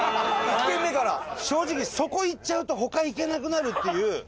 伊達：正直、そこ行っちゃうと他、行けなくなるっていう。